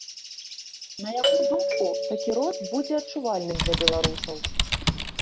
На яго думку, такі рост будзе адчувальным для беларусаў.